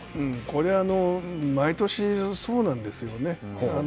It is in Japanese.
これは毎年そうなんですよね。